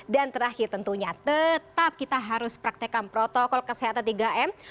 dan terakhir tentunya tetap kita harus praktekan protokol kesehatan tiga m